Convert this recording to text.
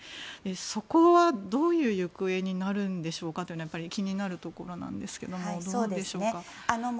そこはどういう行方になるんでしょうかというのは気になるところなんですけども。